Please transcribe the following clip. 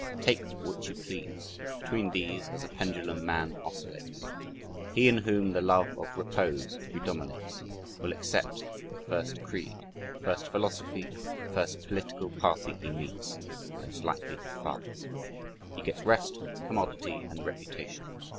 "Take which you please ... between these, as a pendulum, man oscillates. He in whom the love of repose predominates will accept the first creed, the first philosophy, the first political party he meets," most likely his father's. He gets rest, commodity, and reputation.